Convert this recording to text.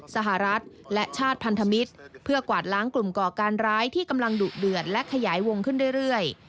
สหรัฐและชาติพันธมิตรเพื่อกวาดล้างกลุ่มก่อการร้ายที่กำลังดุเดือดและขยายวงขึ้นเรื่อย